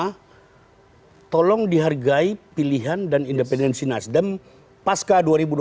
karena tolong dihargai pilihan dan independensi nasdem pasca dua ribu dua puluh